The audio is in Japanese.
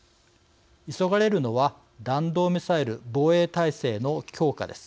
急がれるのは弾道ミサイル防衛体制の強化です。